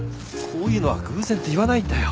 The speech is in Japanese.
こういうのは偶然って言わないんだよ。